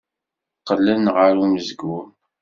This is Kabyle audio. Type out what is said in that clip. Qqlen ɣer umezgun.